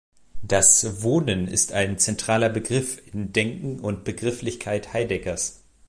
Das Wohnen ist ein zentraler Begriff in Denken und Begrifflichkeit Heideggers.